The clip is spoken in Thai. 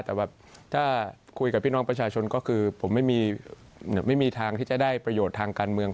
แต่แบบถ้าคุยกับพี่น้องประชาชนก็คือผมไม่มีทางที่จะได้ประโยชน์ทางการเมือง